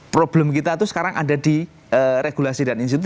problem kita itu sekarang ada di regulasi dan institusi